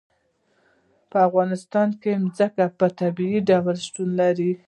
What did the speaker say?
په افغانستان کې ځمکه په طبیعي ډول شتون لري.